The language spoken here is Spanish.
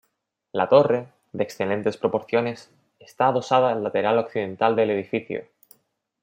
La torre, de excelentes proporciones, está adosada al lateral occidental del edificio.